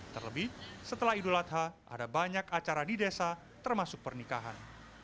terlebih setelah idul adha ada banyak acara di desa termasuk pernikahan